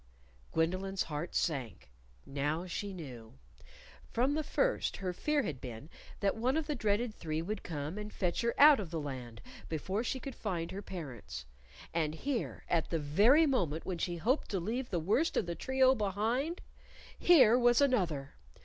Gwendolyn's heart sank. Now she knew. From the first her fear had been that one of the dreaded three would come and fetch her out of the Land before she could find her parents. And here, at the very moment when she hoped to leave the worst of the trio behind, here was another!